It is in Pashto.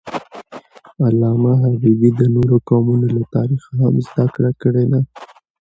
علامه حبیبي د نورو قومونو له تاریخه هم زدهکړه کړې ده.